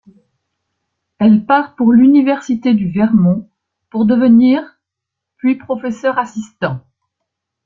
Elle part pour l'Université du Vermont pour devenir puis professeur assistant.